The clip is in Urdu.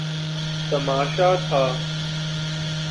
تماشا تھا۔